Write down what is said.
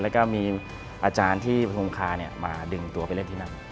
แล้วก็มีอาจารย์ที่ประทงคามาดึงตัวไปเล่นที่นั่น